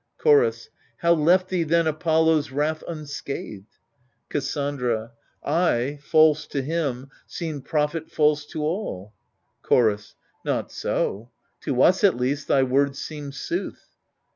Chorus How left thee then Apollo's wrath unscathed ? Cassandra I, false to him, seemed prophet false to all. Chorus Not so — to us at least thy words seem sooth.